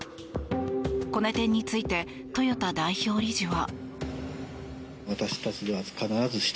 この点について豊田代表理事は。